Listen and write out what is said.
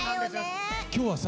今日はさ